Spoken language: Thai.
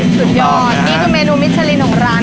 สุดยอดนี่คือเมนูมิชลินของร้าน